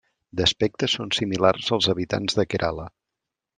D'aspecte són similars als habitants de Kerala.